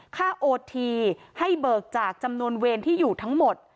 โอทีให้เบิกจากจำนวนเวรที่อยู่ทั้งหมด